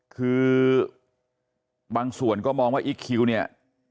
คือบางส่วนก็มองว่าอีคคิวเนี่ย